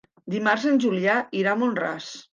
Dimarts en Julià irà a Mont-ras.